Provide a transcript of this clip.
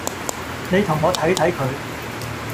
你同我睇睇佢